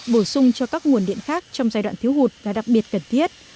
bổ sung cho các nguồn điện khác trong giai đoạn thiếu hụt là đặc biệt cần thiết